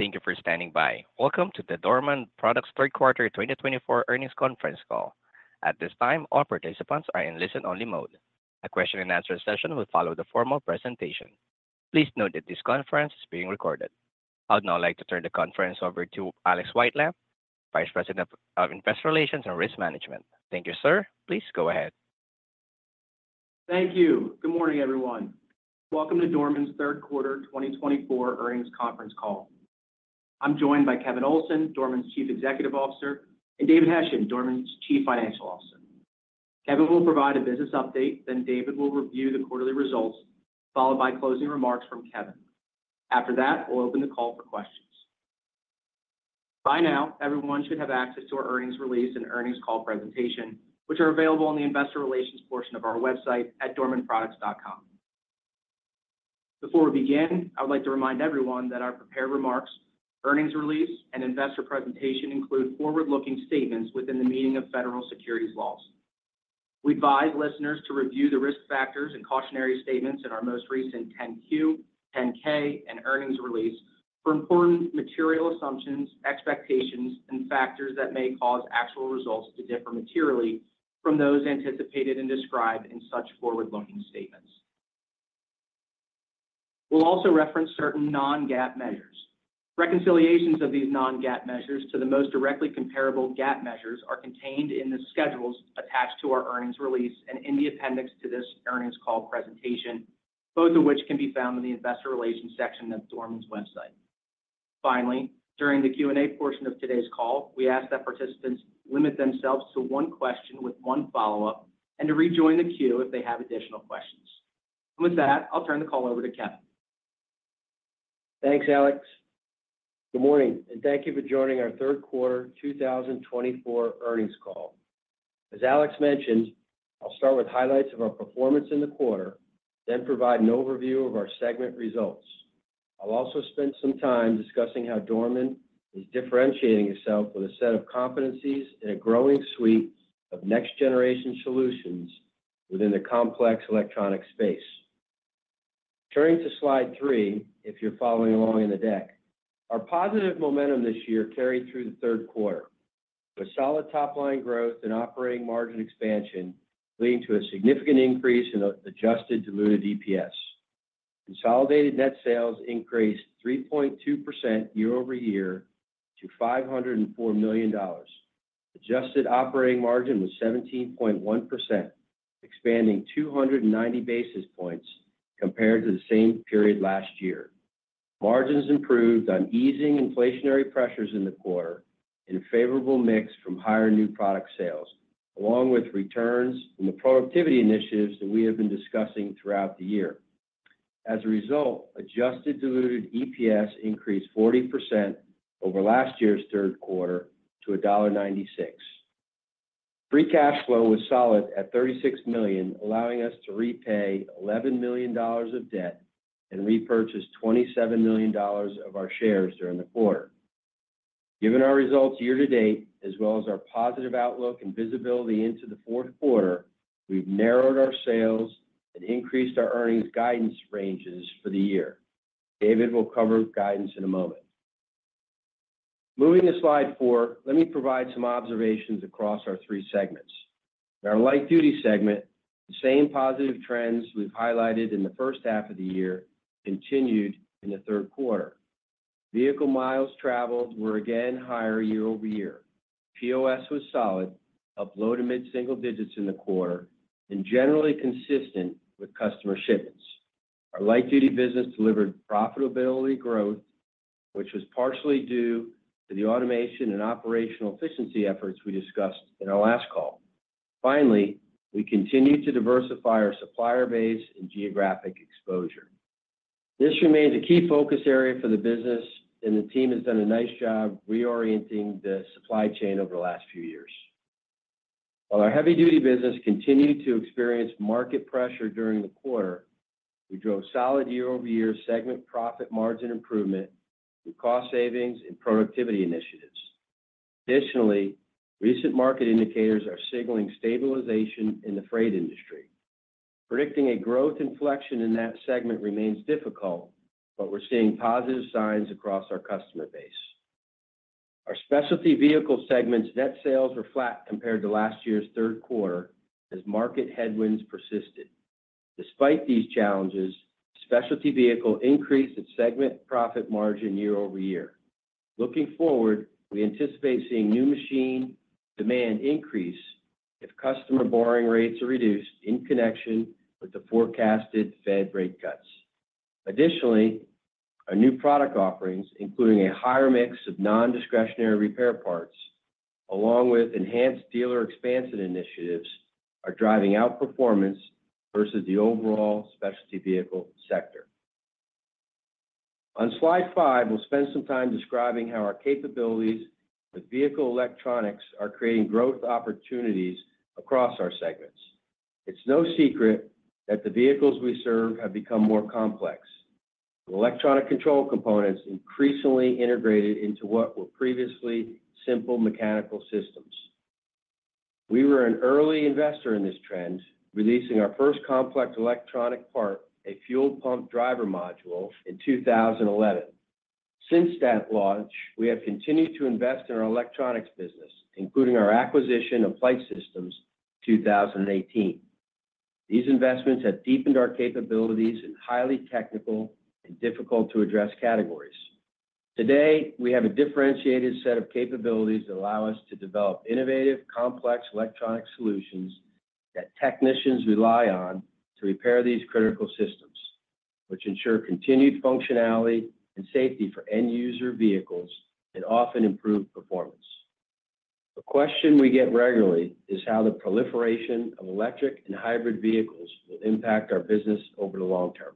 Thank you for standing by. Welcome to the Dorman Products Quarter 2024 earnings conference call. At this time, all participants are in listen-only mode. A question-and-answer session will follow the formal presentation. Please note that this conference is being recorded. I would now like to turn the conference over to Alex Whitelam, Vice President of Investor Relations and Risk Management. Thank you, sir. Please go ahead. Thank you. Good morning, everyone. Welcome to Dorman's Quarter 2024 earnings conference call. I'm joined by Kevin Olsen, Dorman's Chief Executive Officer, and David Hession, Dorman's Chief Financial Officer. Kevin will provide a business update, then David will review the quarterly results, followed by closing remarks from Kevin. After that, we'll open the call for questions. By now, everyone should have access to our earnings release and earnings call presentation, which are available on the Investor Relations portion of our website at dormanproducts.com. Before we begin, I would like to remind everyone that our prepared remarks, earnings release, and investor presentation include forward-looking statements within the meaning of federal securities laws. We advise listeners to review the risk factors and cautionary statements in our most recent 10-Q, 10-K, and earnings release for important material assumptions, expectations, and factors that may cause actual results to differ materially from those anticipated and described in such forward-looking statements. We'll also reference certain non-GAAP measures. Reconciliations of these non-GAAP measures to the most directly comparable GAAP measures are contained in the schedules attached to our earnings release and in the appendix to this earnings call presentation, both of which can be found in the Investor Relations section of Dorman's website. Finally, during the Q&A portion of today's call, we ask that participants limit themselves to one question with one follow-up and to rejoin the queue if they have additional questions. And with that, I'll turn the call over to Kevin. Thanks, Alex. Good morning, and thank you for joining our third quarter 2024 earnings call. As Alex mentioned, I'll start with highlights of our performance in the quarter, then provide an overview of our segment results. I'll also spend some time discussing how Dorman is differentiating itself with a set of competencies in a growing suite of next-generation solutions within the complex electronics space. Turning to slide three, if you're following along in the deck, our positive momentum this year carried through the third quarter with solid top-line growth and operating margin expansion leading to a significant increase in adjusted diluted EPS. Consolidated net sales increased 3.2% year-over-year to $504 million. Adjusted operating margin was 17.1%, expanding 290 basis points compared to the same period last year. Margins improved on easing inflationary pressures in the quarter in a favorable mix from higher new product sales, along with returns from the productivity initiatives that we have been discussing throughout the year. As a result, adjusted diluted EPS increased 40% over last year's third quarter to $1.96. Free cash flow was solid at $36 million, allowing us to repay $11 million of debt and repurchase $27 million of our shares during the quarter. Given our results year to date, as well as our positive outlook and visibility into the fourth quarter, we've narrowed our sales and increased our earnings guidance ranges for the year. David will cover guidance in a moment. Moving to slide four, let me provide some observations across our three segments. In our Light Duty segment, the same positive trends we've highlighted in the first half of the year continued in the third quarter. Vehicle miles traveled were again higher year-over-year. POS was solid, up low to mid-single digits in the quarter, and generally consistent with customer shipments. Our Light Duty business delivered profitability growth, which was partially due to the automation and operational efficiency efforts we discussed in our last call. Finally, we continued to diversify our supplier base and geographic exposure. This remains a key focus area for the business, and the team has done a nice job reorienting the supply chain over the last few years. While our Heavy Duty business continued to experience market pressure during the quarter, we drove solid year-over-year segment profit margin improvement through cost savings and productivity initiatives. Additionally, recent market indicators are signaling stabilization in the freight industry. Predicting a growth inflection in that segment remains difficult, but we're seeing positive signs across our customer base. Our Specialty Vehicle segment's net sales were flat compared to last year's third quarter as market headwinds persisted. Despite these challenges, Specialty Vehicle increased its segment profit margin year-over-year. Looking forward, we anticipate seeing new machine demand increase if customer borrowing rates are reduced in connection with the forecasted Fed rate cuts. Additionally, our new product offerings, including a higher mix of non-discretionary repair parts, along with enhanced dealer expansion initiatives, are driving outperformance versus the overall Specialty Vehicle sector. On slide five, we'll spend some time describing how our capabilities with vehicle electronics are creating growth opportunities across our segments. It's no secret that the vehicles we serve have become more complex. Electronic control components increasingly integrated into what were previously simple mechanical systems. We were an early investor in this trend, releasing our first complex electronic part, a fuel pump driver module, in 2011. Since that launch, we have continued to invest in our electronics business, including our acquisition of Flight Systems in 2018. These investments have deepened our capabilities in highly technical and difficult-to-address categories. Today, we have a differentiated set of capabilities that allow us to develop innovative, complex electronic solutions that technicians rely on to repair these critical systems, which ensure continued functionality and safety for end-user vehicles and often improved performance. A question we get regularly is how the proliferation of electric and hybrid vehicles will impact our business over the long term.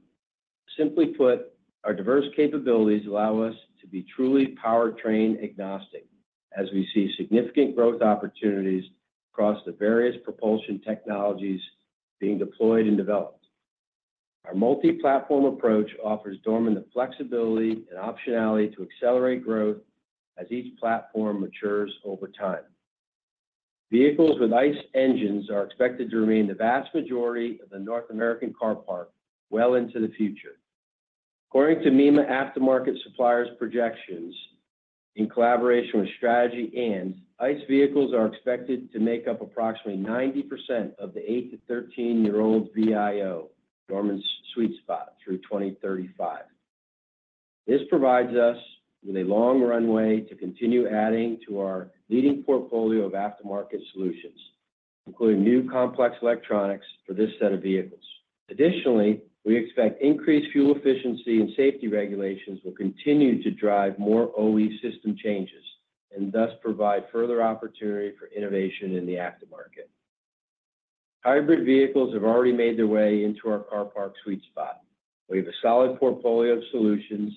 Simply put, our diverse capabilities allow us to be truly powertrain agnostic, as we see significant growth opportunities across the various propulsion technologies being deployed and developed. Our multi-platform approach offers Dorman the flexibility and optionality to accelerate growth as each platform matures over time. Vehicles with ICE engines are expected to remain the vast majority of the North American car park well into the future. According to MEMA Aftermarket Suppliers projections, in collaboration with Strategy& ICE vehicles are expected to make up approximately 90% of the 8-13-year-old VIO, Dorman's sweet spot, through 2035. This provides us with a long runway to continue adding to our leading portfolio of aftermarket solutions, including new complex electronics for this set of vehicles. Additionally, we expect increased fuel efficiency and safety regulations will continue to drive more OE system changes and thus provide further opportunity for innovation in the aftermarket. Hybrid vehicles have already made their way into our car park sweet spot. We have a solid portfolio of solutions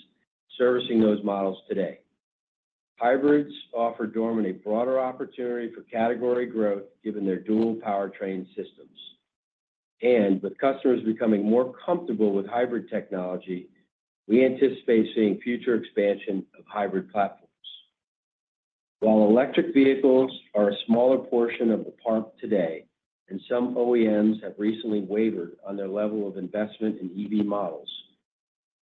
servicing those models today. Hybrids offer Dorman a broader opportunity for category growth given their dual powertrain systems. With customers becoming more comfortable with hybrid technology, we anticipate seeing future expansion of hybrid platforms. While electric vehicles are a smaller portion of the park today and some OEMs have recently wavered on their level of investment in EV models,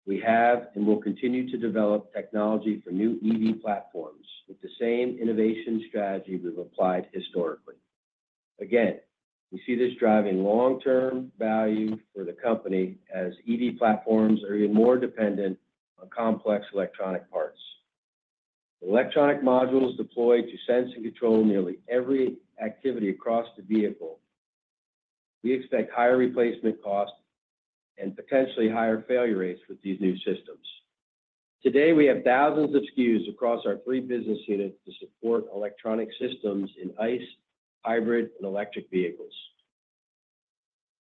we have and will continue to develop technology for new EV platforms with the same innovation strategy we've applied historically. Again, we see this driving long-term value for the company as EV platforms are even more dependent on complex electronic parts. Electronic modules deployed to sense and control nearly every activity across the vehicle. We expect higher replacement costs and potentially higher failure rates with these new systems. Today, we have thousands of SKUs across our three business units to support electronic systems in ICE, hybrid, and electric vehicles.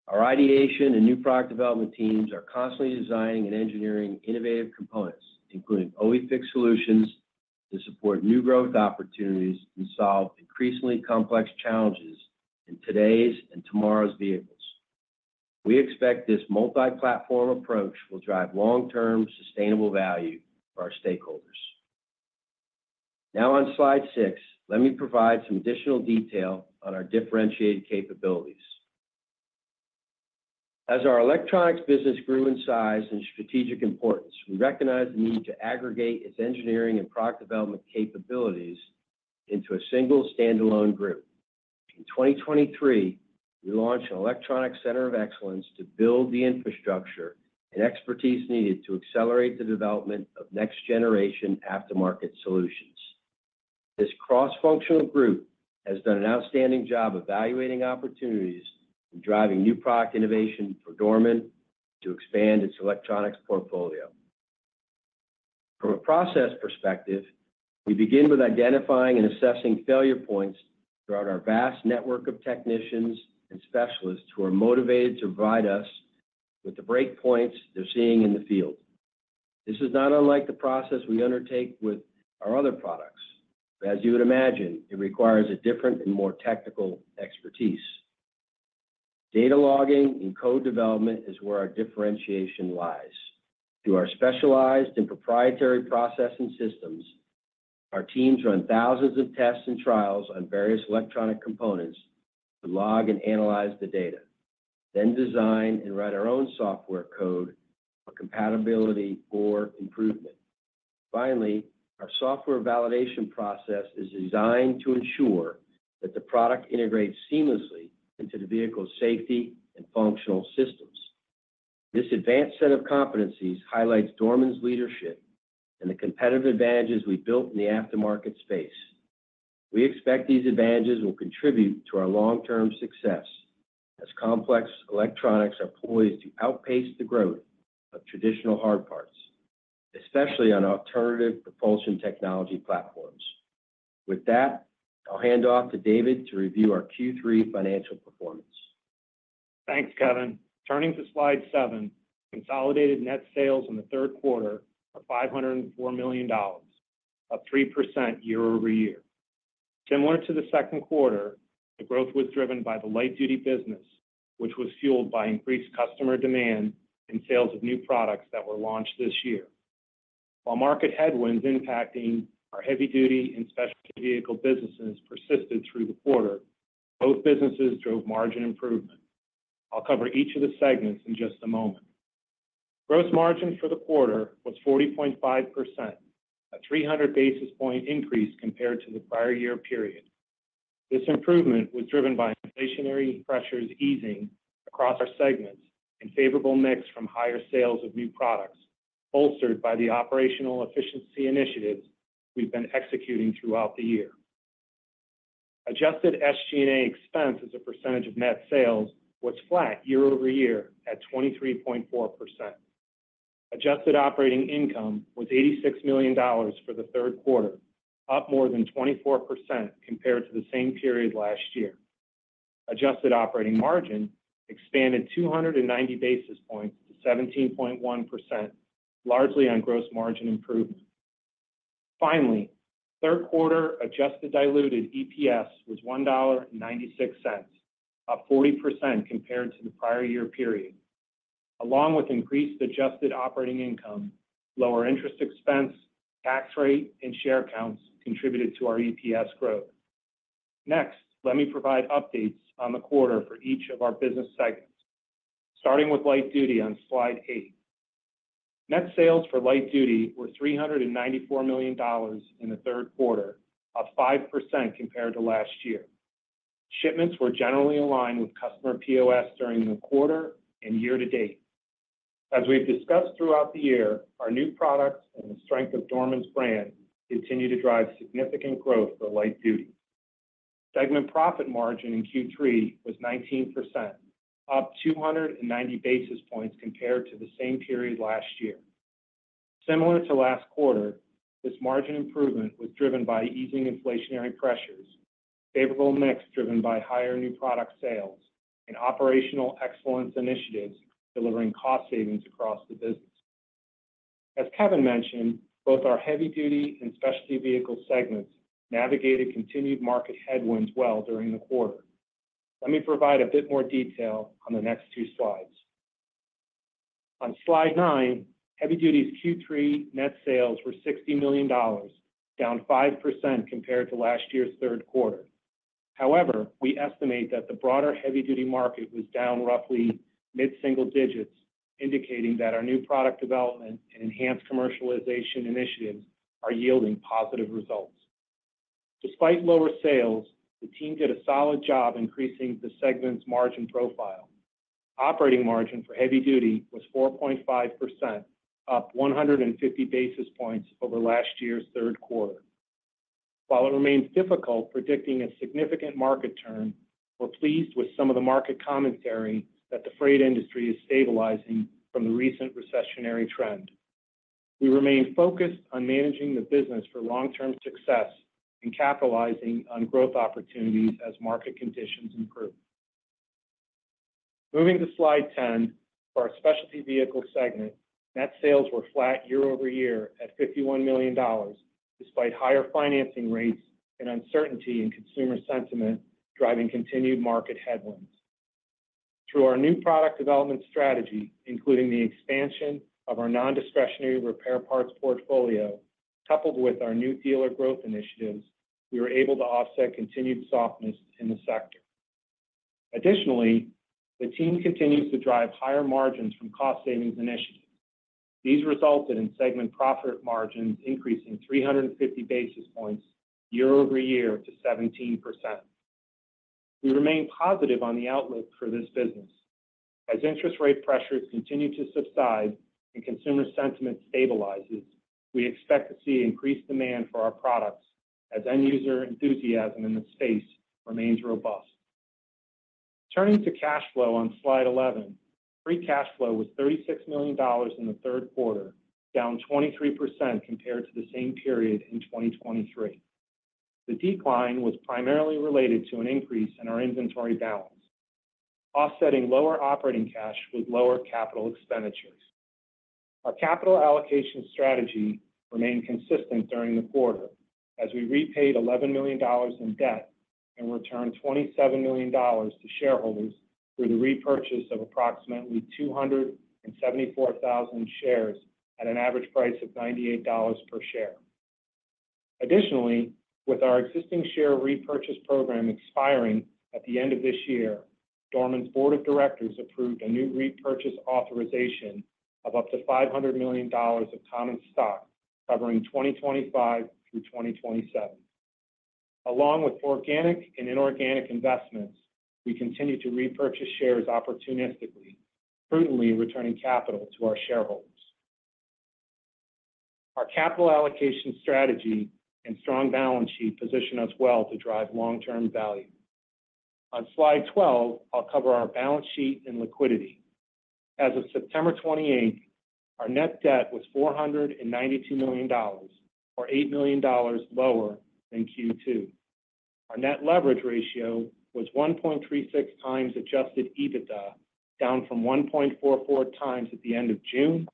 Our ideation and new product development teams are constantly designing and engineering innovative components, including OE FIX solutions to support new growth opportunities and solve increasingly complex challenges in today's and tomorrow's vehicles. We expect this multi-platform approach will drive long-term sustainable value for our stakeholders. Now, on slide six, let me provide some additional detail on our differentiated capabilities. As our electronics business grew in size and strategic importance, we recognized the need to aggregate its engineering and product development capabilities into a single standalone group. In 2023, we launched an Electronics Center of Excellence to build the infrastructure and expertise needed to accelerate the development of next-generation aftermarket solutions. This cross-functional group has done an outstanding job evaluating opportunities and driving new product innovation for Dorman to expand its electronics portfolio. From a process perspective, we begin with identifying and assessing failure points throughout our vast network of technicians and specialists who are motivated to provide us with the breakpoints they're seeing in the field. This is not unlike the process we undertake with our other products. As you would imagine, it requires a different and more technical expertise. Data logging and code development is where our differentiation lies. Through our specialized and proprietary processing systems, our teams run thousands of tests and trials on various electronic components to log and analyze the data, then design and write our own software code for compatibility or improvement. Finally, our software validation process is designed to ensure that the product integrates seamlessly into the vehicle's safety and functional systems. This advanced set of competencies highlights Dorman's leadership and the competitive advantages we built in the aftermarket space. We expect these advantages will contribute to our long-term success as complex electronics are poised to outpace the growth of traditional hard parts, especially on alternative propulsion technology platforms. With that, I'll hand off to David to review our Q3 financial performance. Thanks, Kevin. Turning to slide seven, consolidated net sales in the third quarter are $504 million, up 3% year-over-year. Similar to the second quarter, the growth was driven by the Light Duty business, which was fueled by increased customer demand and sales of new products that were launched this year. While market headwinds impacting our Heavy Duty and Specialty Vehicle businesses persisted through the quarter, both businesses drove margin improvement. I'll cover each of the segments in just a moment. Gross margin for the quarter was 40.5%, a 300 basis points increase compared to the prior year period. This improvement was driven by inflationary pressures easing across our segments and favorable mix from higher sales of new products, bolstered by the operational efficiency initiatives we've been executing throughout the year. Adjusted SG&A expense as a percentage of net sales was flat year-over-year at 23.4%. Adjusted operating income was $86 million for the third quarter, up more than 24% compared to the same period last year. Adjusted operating margin expanded 290 basis points to 17.1%, largely on gross margin improvement. Finally, third quarter adjusted diluted EPS was $1.96, up 40% compared to the prior year period. Along with increased adjusted operating income, lower interest expense, tax rate, and share counts contributed to our EPS growth. Next, let me provide updates on the quarter for each of our business segments. Starting with Light Duty on slide eight, net sales for Light Duty were $394 million in the third quarter, up 5% compared to last year. Shipments were generally aligned with customer POS during the quarter and year to date. As we've discussed throughout the year, our new products and the strength of Dorman's brand continue to drive significant growth for Light Duty. Segment profit margin in Q3 was 19%, up 290 basis points compared to the same period last year. Similar to last quarter, this margin improvement was driven by easing inflationary pressures, favorable mix driven by higher new product sales, and operational excellence initiatives delivering cost savings across the business. As Kevin mentioned, both our Heavy Duty and Specialty Vehicle segments navigated continued market headwinds well during the quarter. Let me provide a bit more detail on the next two slides. On slide nine, Heavy Duty's Q3 net sales were $60 million, down 5% compared to last year's third quarter. However, we estimate that the broader Heavy Duty market was down roughly mid-single digits, indicating that our new product development and enhanced commercialization initiatives are yielding positive results. Despite lower sales, the team did a solid job increasing the segment's margin profile. Operating margin for Heavy Duty was 4.5%, up 150 basis points over last year's third quarter. While it remains difficult predicting a significant market turn, we're pleased with some of the market commentary that the freight industry is stabilizing from the recent recessionary trend. We remain focused on managing the business for long-term success and capitalizing on growth opportunities as market conditions improve. Moving to slide 10 for our Specialty Vehicle segment, net sales were flat year-over-year at $51 million, despite higher financing rates and uncertainty in consumer sentiment driving continued market headwinds. Through our new product development strategy, including the expansion of our non-discretionary repair parts portfolio, coupled with our new dealer growth initiatives, we were able to offset continued softness in the sector. Additionally, the team continues to drive higher margins from cost savings initiatives. These resulted in segment profit margins increasing 350 basis points year-over-year to 17%. We remain positive on the outlook for this business. As interest rate pressures continue to subside and consumer sentiment stabilizes, we expect to see increased demand for our products as end-user enthusiasm in the space remains robust. Turning to cash flow on slide 11, free cash flow was $36 million in the third quarter, down 23% compared to the same period in 2023. The decline was primarily related to an increase in our inventory balance, offsetting lower operating cash with lower capital expenditures. Our capital allocation strategy remained consistent during the quarter as we repaid $11 million in debt and returned $27 million to shareholders through the repurchase of approximately 274,000 shares at an average price of $98 per share. Additionally, with our existing share repurchase program expiring at the end of this year, Dorman's board of directors approved a new repurchase authorization of up to $500 million of common stock covering 2025 through 2027. Along with organic and inorganic investments, we continue to repurchase shares opportunistically, prudently returning capital to our shareholders. Our capital allocation strategy and strong balance sheet position us well to drive long-term value. On slide 12, I'll cover our balance sheet and liquidity. As of September 28th, our net debt was $492 million, or $8 million lower than Q2. Our net leverage ratio was 1.36x adjusted EBITDA, down from 1.44x at the end of June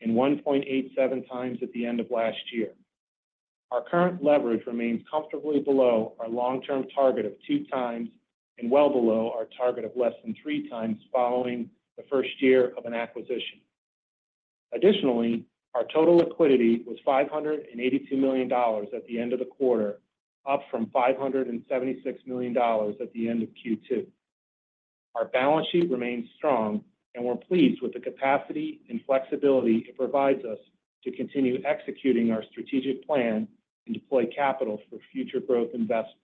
and 1.87x at the end of last year. Our current leverage remains comfortably below our long-term target of 2x and well below our target of less than 3x following the first year of an acquisition. Additionally, our total liquidity was $582 million at the end of the quarter, up from $576 million at the end of Q2. Our balance sheet remains strong, and we're pleased with the capacity and flexibility it provides us to continue executing our strategic plan and deploy capital for future growth investments.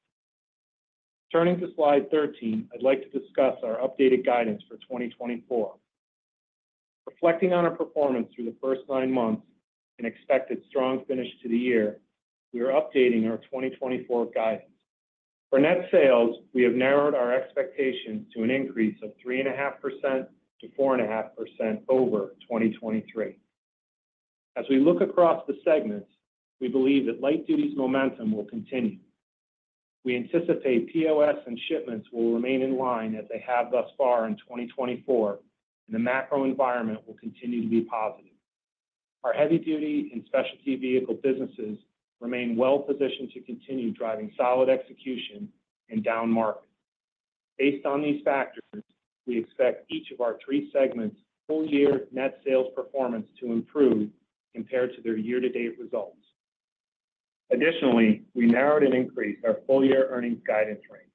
Turning to slide 13, I'd like to discuss our updated guidance for 2024. Reflecting on our performance through the first nine months and expected strong finish to the year, we are updating our 2024 guidance. For net sales, we have narrowed our expectations to an increase of 3.5%-4.5% over 2023. As we look across the segments, we believe that Light Duty's momentum will continue. We anticipate POS and shipments will remain in line as they have thus far in 2024, and the macro environment will continue to be positive. Our Heavy Duty and Specialty Vehicle businesses remain well-positioned to continue driving solid execution and down market. Based on these factors, we expect each of our three segments' full-year net sales performance to improve compared to their year-to-date results. Additionally, we narrowed and increased our full-year earnings guidance range.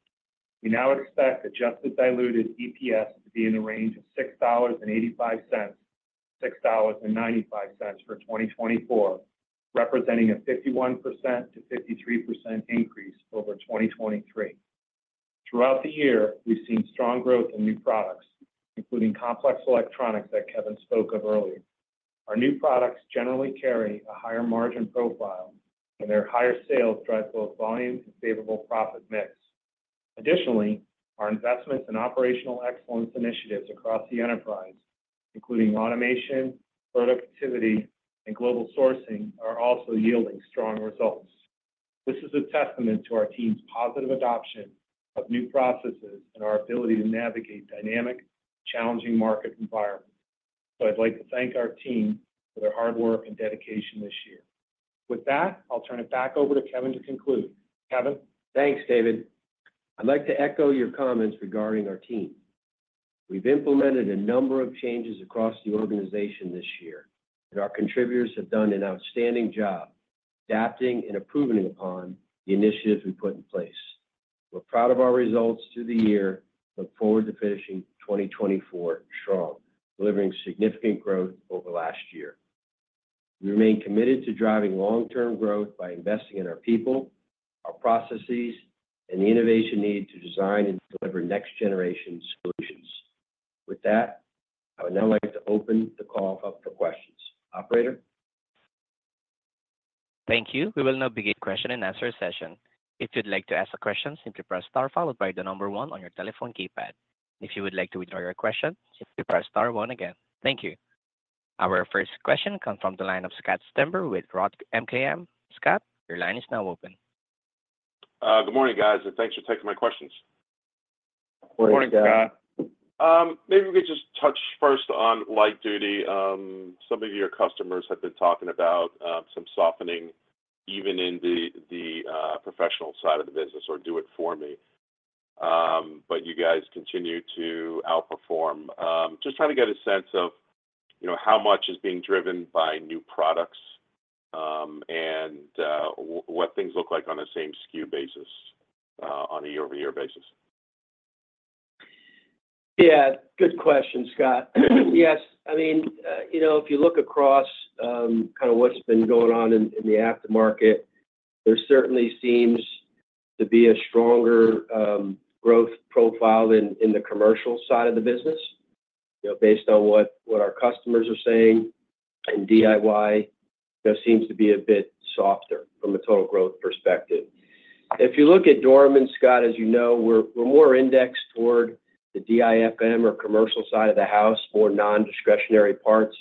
We now expect adjusted diluted EPS to be in the range of $6.85-$6.95 for 2024, representing a 51%-53% increase over 2023. Throughout the year, we've seen strong growth in new products, including complex electronics that Kevin spoke of earlier. Our new products generally carry a higher margin profile, and their higher sales drive both volume and favorable profit mix. Additionally, our investments in operational excellence initiatives across the enterprise, including automation, productivity, and global sourcing, are also yielding strong results. This is a testament to our team's positive adoption of new processes and our ability to navigate dynamic, challenging market environments. So I'd like to thank our team for their hard work and dedication this year. With that, I'll turn it back over to Kevin to conclude. Kevin. Thanks, David. I'd like to echo your comments regarding our team. We've implemented a number of changes across the organization this year, and our contributors have done an outstanding job adapting and improving upon the initiatives we put in place. We're proud of our results through the year and look forward to finishing 2024 strong, delivering significant growth over last year. We remain committed to driving long-term growth by investing in our people, our processes, and the innovation needed to design and deliver next-generation solutions. With that, I would now like to open the call up for questions. Operator. Thank you. We will now begin question and answer session. If you'd like to ask a question, simply press star followed by the number one on your telephone keypad. If you would like to withdraw your question, simply press star one again. Thank you. Our first question comes from the line of Scott Stember with Roth MKM. Scott, your line is now open. Good morning, guys, and thanks for taking my questions. Morning, Scott. Morning Scott. Maybe we could just touch first on Light Duty. Some of your customers have been talking about some softening, even in the professional side of the business, or do it for me. But you guys continue to outperform. Just trying to get a sense of how much is being driven by new products and what things look like on a same SKU basis on a year-over-year basis. Yeah, good question, Scott. Yes, I mean, if you look across kind of what's been going on in the aftermarket, there certainly seems to be a stronger growth profile in the commercial side of the business based on what our customers are saying, and DIY seems to be a bit softer from a total growth perspective. If you look at Dorman, Scott, as you know, we're more indexed toward the DIFM or commercial side of the house, more non-discretionary parts.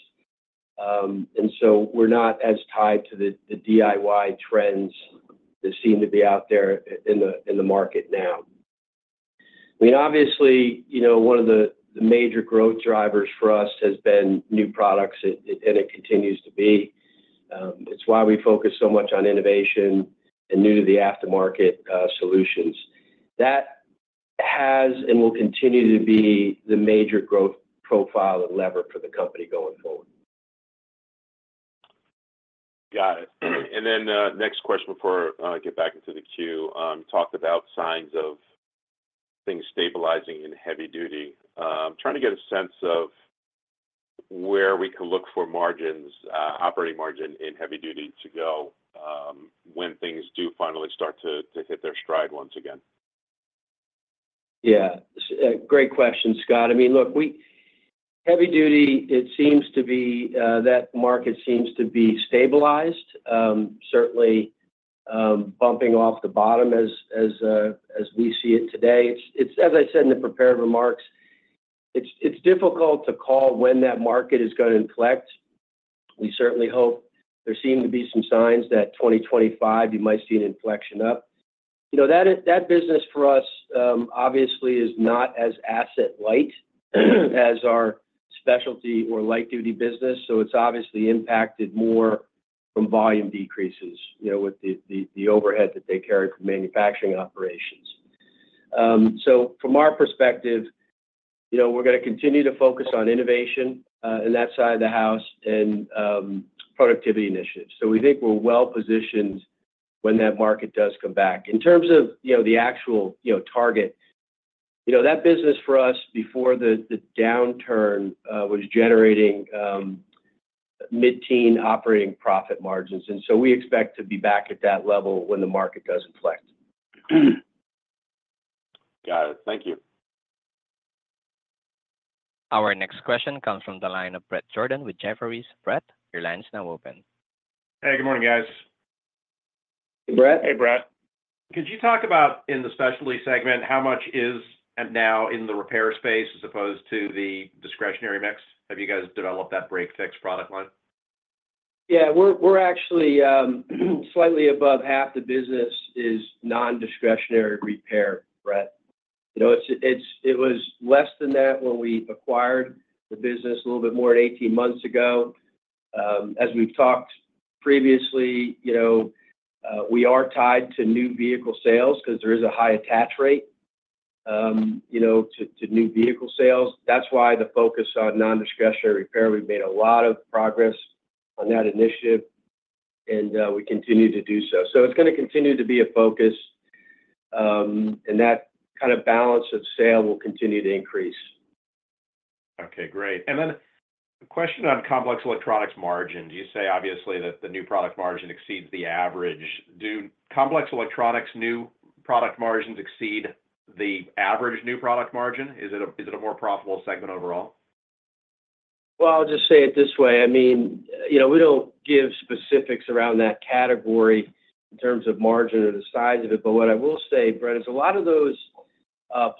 And so we're not as tied to the DIY trends that seem to be out there in the market now. I mean, obviously, one of the major growth drivers for us has been new products, and it continues to be. It's why we focus so much on innovation and new-to-the-aftermarket solutions. That has and will continue to be the major growth profile and lever for the company going forward. Got it. And then next question before I get back into the queue. You talked about signs of things stabilizing in Heavy Duty. I'm trying to get a sense of where we can look for margins, operating margin in Heavy Duty to go when things do finally start to hit their stride once again. Yeah, great question, Scott. I mean, look, Heavy Duty, it seems to be that market seems to be stabilized, certainly bumping off the bottom as we see it today. As I said in the prepared remarks, it's difficult to call when that market is going to inflect. We certainly hope there seem to be some signs that 2025, you might see an inflection up. That business for us, obviously, is not as asset-light as our specialty or Light Duty business. So it's obviously impacted more from volume decreases with the overhead that they carry from manufacturing operations. So from our perspective, we're going to continue to focus on innovation in that side of the house and productivity initiatives. So we think we're well-positioned when that market does come back. In terms of the actual target, that business for us before the downturn was generating mid-teen operating profit margins. And so we expect to be back at that level when the market does inflect. Got it. Thank you. Our next question comes from the line of Bret Jordan with Jefferies. Bret, your line is now open. Hey, good morning, guys. Hey, Bret. Hey, Bret. Could you talk about in the specialty segment, how much is now in the repair space as opposed to the discretionary mix? Have you guys developed that break-fix product line? Yeah, we're actually slightly above half the business is non-discretionary repair, Bret. It was less than that when we acquired the business a little bit more than 18 months ago. As we've talked previously, we are tied to new vehicle sales because there is a high attach rate to new vehicle sales. That's why the focus on non-discretionary repair. We've made a lot of progress on that initiative, and we continue to do so. So it's going to continue to be a focus, and that kind of balance of sale will continue to increase. Okay, great. And then a question on complex electronics margin. You say, obviously, that the new product margin exceeds the average. Do complex electronics new product margins exceed the average new product margin? Is it a more profitable segment overall? I'll just say it this way. I mean, we don't give specifics around that category in terms of margin or the size of it. But what I will say, Bret, is a lot of those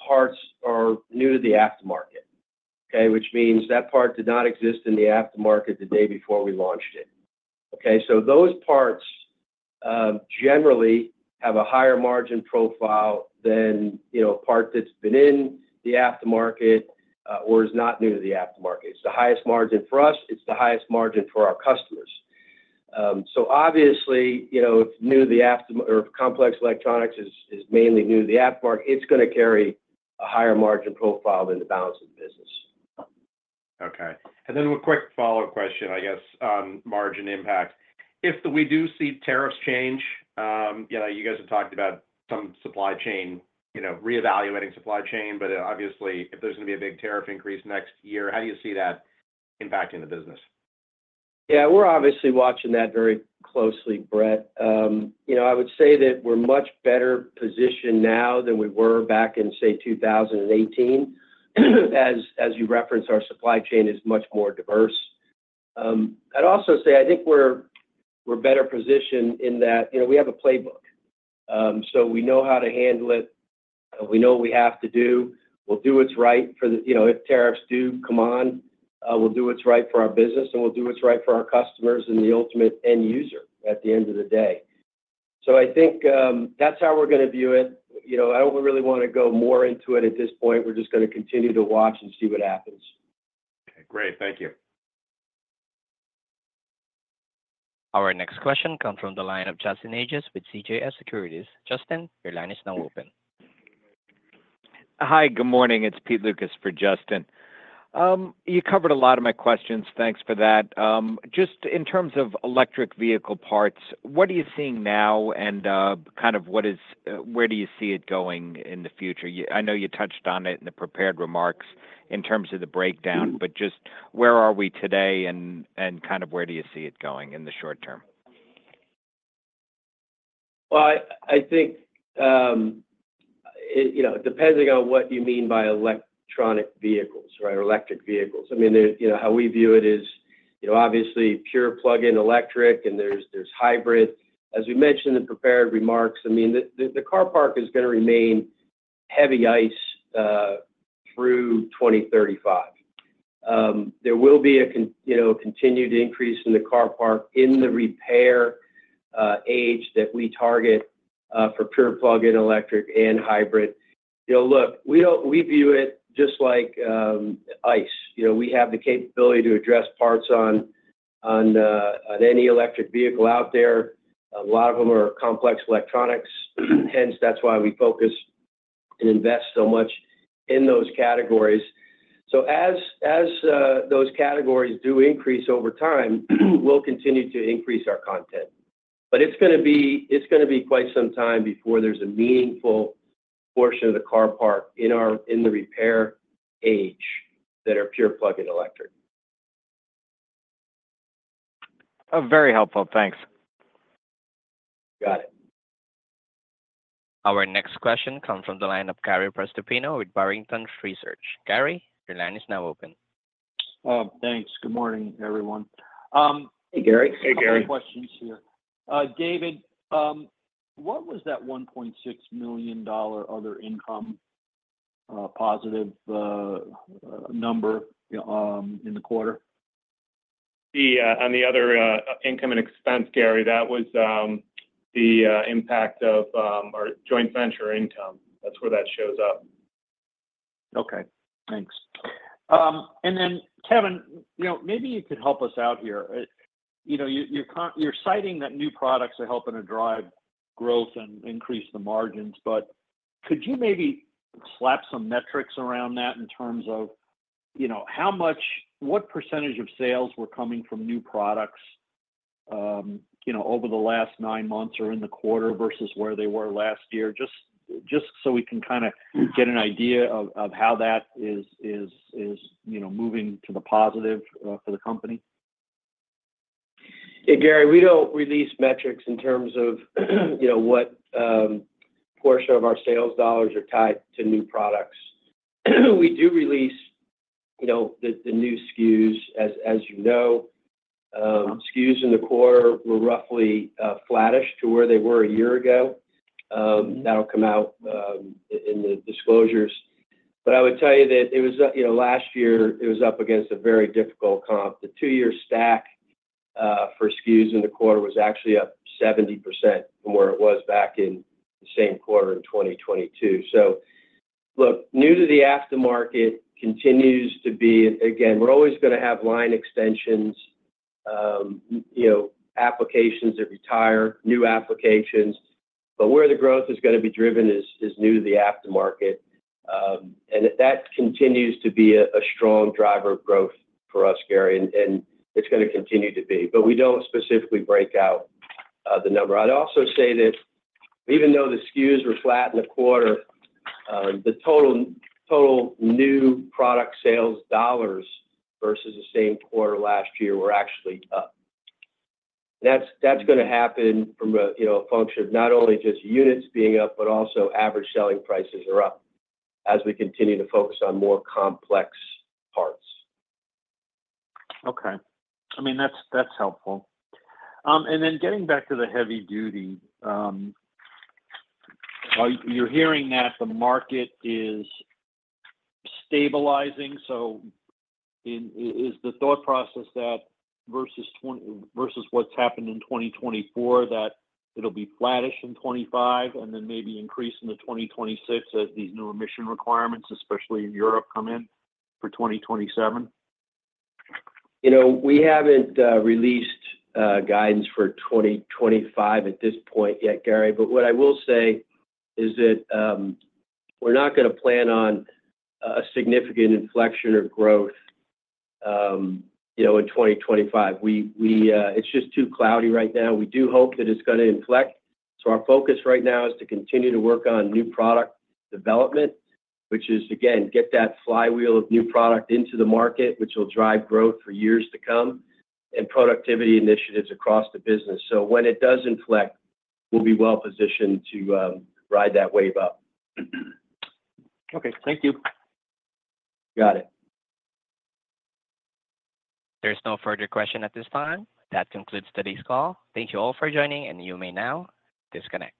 parts are new-to-the-aftermarket, okay, which means that part did not exist in the aftermarket the day before we launched it. Okay, so those parts generally have a higher margin profile than a part that's been in the aftermarket or is not new to the aftermarket. It's the highest margin for us. It's the highest margin for our customers. So obviously, if new-to-the-aftermarket or complex electronics is mainly new-to-the-aftermarket, it's going to carry a higher margin profile than the balance of the business. Okay. And then a quick follow-up question, I guess, on margin impact. If we do see tariffs change, you guys have talked about some reevaluating supply chain, but obviously, if there's going to be a big tariff increase next year, how do you see that impacting the business? Yeah, we're obviously watching that very closely, Bret. I would say that we're much better positioned now than we were back in, say, 2018, as you referenced. Our supply chain is much more diverse. I'd also say I think we're better positioned in that we have a playbook. So we know how to handle it. We know what we have to do. We'll do what's right for the business if tariffs do come on, we'll do what's right for our business, and we'll do what's right for our customers and the ultimate end user at the end of the day. So I think that's how we're going to view it. I don't really want to go more into it at this point. We're just going to continue to watch and see what happens. Okay, great. Thank you. Our next question comes from the line of Justin Ages with CJS Securities. Justin, your line is now open. Hi, good morning. It's Peter Lukas for Justin. You covered a lot of my questions. Thanks for that. Just in terms of electric vehicle parts, what are you seeing now and kind of where do you see it going in the future? I know you touched on it in the prepared remarks in terms of the breakdown, but just where are we today and kind of where do you see it going in the short term? I think it depends on what you mean by electronic vehicles, right, or electric vehicles. I mean, how we view it is obviously pure plug-in electric, and there's hybrid. As we mentioned in the prepared remarks, I mean, the car park is going to remain heavy ICE through 2035. There will be a continued increase in the car park in the repair age that we target for pure plug-in electric and hybrid. Look, we view it just like ICE. We have the capability to address parts on any electric vehicle out there. A lot of them are complex electronics. Hence, that's why we focus and invest so much in those categories. So as those categories do increase over time, we'll continue to increase our content. But it's going to be quite some time before there's a meaningful portion of the car park in the repair age that are pure plug-in electric. Very helpful. Thanks. Got it. Our next question comes from the line of Gary Prestopino with Barrington Research. Gary, your line is now open. Thanks. Good morning, everyone. Hey, Gary. Hey, Gary. I have questions here. David, what was that $1.6 million other income positive number in the quarter? On the other income and expense, Gary, that was the impact of our joint venture income. That's where that shows up. Okay. Thanks. And then, Kevin, maybe you could help us out here. You're citing that new products are helping to drive growth and increase the margins, but could you maybe slap some metrics around that in terms of what percentage of sales were coming from new products over the last nine months or in the quarter versus where they were last year, just so we can kind of get an idea of how that is moving to the positive for the company? Hey, Gary, we don't release metrics in terms of what portion of our sales dollars are tied to new products. We do release the new SKUs, as you know. SKUs in the quarter were roughly flattish to where they were a year ago. That'll come out in the disclosures. But I would tell you that last year, it was up against a very difficult comp. The two-year stack for SKUs in the quarter was actually up 70% from where it was back in the same quarter in 2022. So look, new-to-the-aftermarket continues to be again, we're always going to have line extensions, applications that retire, new applications. But where the growth is going to be driven is new-to-the-aftermarket. And that continues to be a strong driver of growth for us, Gary, and it's going to continue to be. But we don't specifically break out the number. I'd also say that even though the SKUs were flat in the quarter, the total new product sales dollars versus the same quarter last year were actually up, and that's going to happen from a function of not only just units being up, but also average selling prices are up as we continue to focus on more complex parts. Okay. I mean, that's helpful, and then getting back to the Heavy Duty, you're hearing that the market is stabilizing, so is the thought process that versus what's happened in 2024, that it'll be flattish in 2025 and then maybe increase in the 2026 as these new emission requirements, especially in Europe, come in for 2027? We haven't released guidance for 2025 at this point yet, Gary, but what I will say is that we're not going to plan on a significant inflection of growth in 2025. It's just too cloudy right now. We do hope that it's going to inflect, so our focus right now is to continue to work on new product development, which is, again, get that flywheel of new product into the market, which will drive growth for years to come, and productivity initiatives across the business, so when it does inflect, we'll be well-positioned to ride that wave up. Okay. Thank you. Got it. There's no further question at this time. That concludes today's call. Thank you all for joining, and you may now disconnect.